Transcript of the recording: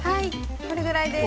これぐらいで。